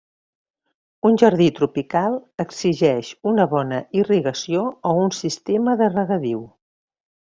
Un jardí tropical exigeix una bona irrigació o un sistema de regadiu.